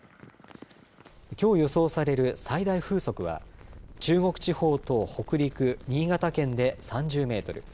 きょう予想される最大風速は中国地方と北陸、新潟県で３０メートル